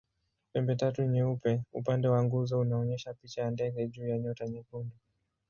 Pembetatu nyeupe upande wa nguzo unaonyesha picha ya ndege juu ya nyota nyekundu.